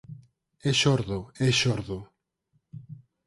É xordo, é xordo.